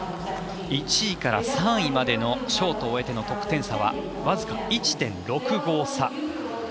１位から３位までのショートを終えての得点差は僅か１．６５差。